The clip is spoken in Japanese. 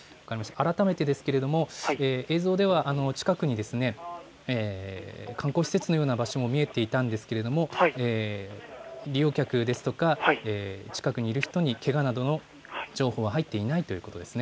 改めて映像では近くに観光施設のようなものも見えていたんですが利用客ですとか、近くにいる人にけがなどの情報は入っていないということですね。